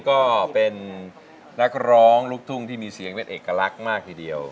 ก็เป็นนักร้องลูกทุ่งที่มีเสียงเป็นเอกลักษณ์มากทีเดียว